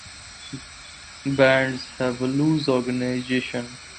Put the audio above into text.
Bands have a loose organization.